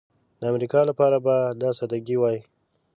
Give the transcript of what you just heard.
د امریکا لپاره به دا سادګي وای.